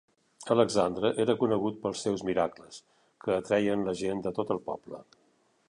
Alexandre era conegut pels seus miracles que atreien la gent de tot el poble.